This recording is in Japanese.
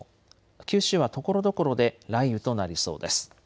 九州はところどころで雷雨となりそうです。